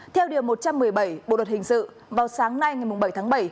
theo điều một trăm một mươi bảy bộ luật hình sự vào sáng nay ngày bảy tháng bảy